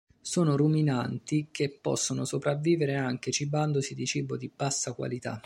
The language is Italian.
Sono ruminanti che possono sopravvivere anche cibandosi di cibo di bassa qualità.